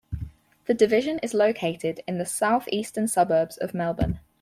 The division is located in the south-eastern suburbs of Melbourne.